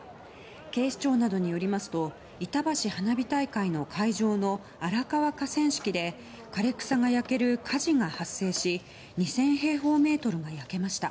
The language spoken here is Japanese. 警視庁などによりますといたばし花火大会の会場の荒川河川敷で枯れ草が焼ける火事が発生し２０００平方メートルが焼けました。